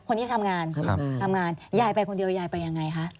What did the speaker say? คนที่ทำงานทำงานยายไปคนเดียวยายไปยังไงคะ